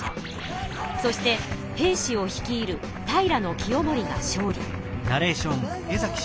そして平氏を率いる平清盛が勝利。